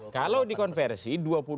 kalau dikonversi dua puluh delapan